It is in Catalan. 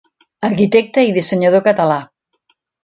Arquitecte i dissenyador català.